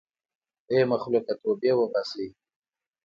ای مخلوقه توبې وباسئ.